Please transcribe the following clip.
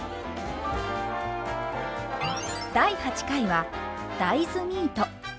第８回は大豆ミート。